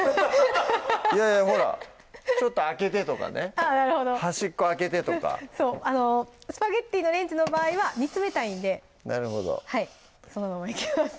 いやいやほらちょっと開けてとかね端っこ開けてとかスパゲッティのレンジの場合は煮詰めたいんでなるほどはいそのままいきます